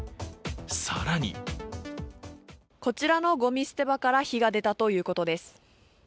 更にこちらのごみ捨て場から火が出たということです。